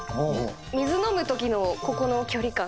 水飲むときのここの距離感。